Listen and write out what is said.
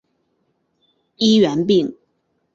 医源病。